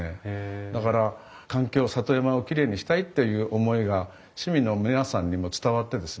だから環境里山をきれいにしたいっていう思いが市民の皆さんにも伝わってですね